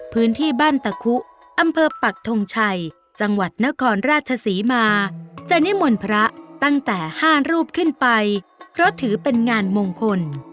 พื้นที่บ้านตะคุอำเภอปักทงชัยจังหวัดนครราชศรีมาจะนิมนต์พระตั้งแต่๕รูปขึ้นไปเพราะถือเป็นงานมงคล